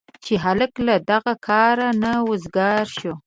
چې هلک له دغه کاره نه وزګار شو.